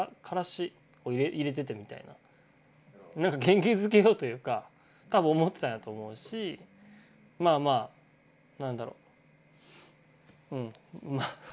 なんか元気づけようというか多分思ってたんやと思うしまあまあ何だろううんまあ何だろうハハハ。